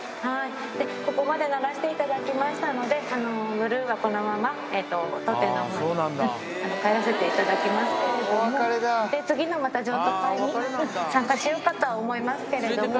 ここまでならしていただきましたので、ブルーはこのまま当店のほうに帰らせていただきますけれども、次のまた譲渡会に、参加しようかと思いますけれども。